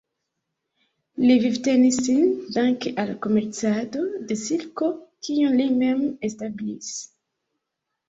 Li vivtenis sin danke al komercado de silko kiun li mem establis.